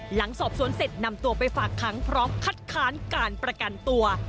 หลังสอบสวนเสร็จนำตัวไปฝากค้างพร้อมคัดค้านการประกันตัว